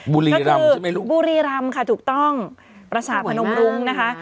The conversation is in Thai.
บุรีรำใช่ไหมลูกบุรีรำค่ะถูกต้องปราสาทพนมรุ้งนะคะ